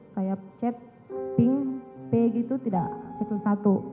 saya chat pink p gitu tidak checklist satu